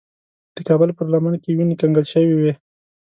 د کابل پر لمن کې وینې کنګل شوې وې.